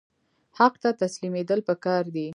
حق ته تسلیمیدل پکار دي